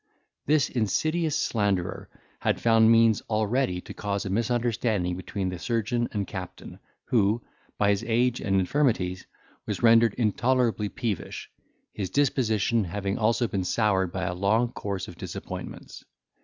This insidious slanderer had found means already to cause a misunderstanding between the surgeon and captain, who, by his age and infirmities, was rendered intolerably peevish, his disposition having also been soured by a long course of disappointments.